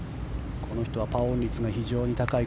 この人はパーオン率が非常に高い。